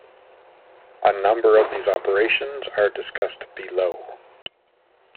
A number of these operations are discussed below.